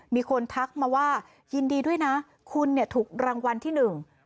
มีคนทักมาว่ายินดีด้วยนะคุณเนี่ยถูกรางวัลที่หนึ่ง